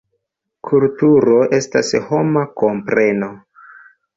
Kulturo estas homa kompreno.